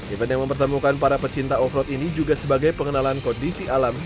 event yang mempertemukan para pecinta offroad ini juga sebagai pengenalan kondisi alamnya